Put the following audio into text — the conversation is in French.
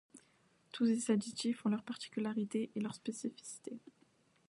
Tous ces additifs ont leurs particularités et leurs spécificités.